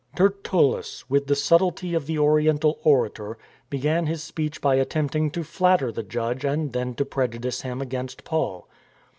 Tertullus, with the subtlety of the Oriental orator, began his speech by attempting to flatter the judge and then to prejudice him against Paul.